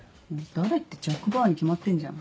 誰ってジャック・バウアーに決まってんじゃん。